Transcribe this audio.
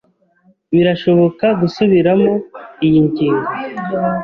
Birashoboka gusubiramo iyi ngingo?